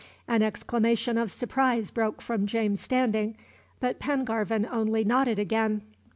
An exclamation of surprise broke from James Standing, but Pengarvan only nodded again.